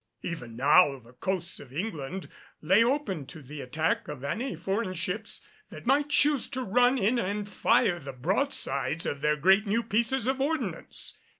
Even now the coasts of England lay open to the attack of any foreign ships that might choose to run in and fire the broadsides of their great new pieces of ordnance.